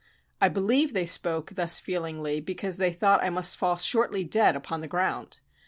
I believe they spoke thus feelingly because they thought I must fall shortly dead upon the ground.